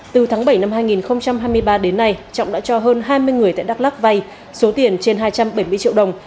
từ tháng bảy năm hai nghìn hai mươi ba đến nay trọng đã cho hơn hai mươi người tại đắk lắc vay số tiền trên hai trăm bảy mươi triệu đồng